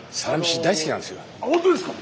本当ですか！